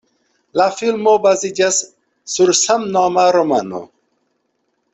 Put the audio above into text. La filmo baziĝas sur samnoma romano.